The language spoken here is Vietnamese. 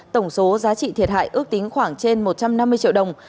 tổng số giá trị thiệt hại ước tính khoảng trên một trăm năm mươi triệu đồng